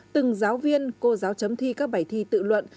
từng giáo viên cô giáo chấm thi các bài thi tự luận